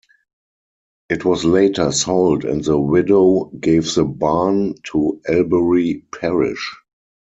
It was later sold and the widow gave the barn to Albury parish.